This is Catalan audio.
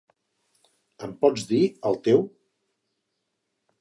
Em pots dir el teu.?